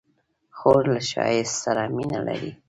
خور له ښایست سره مینه لري.